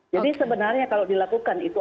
jadi sebenarnya kalau dilakukan itu